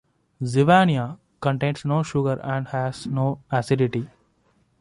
Zivania contains no sugars and has no acidity.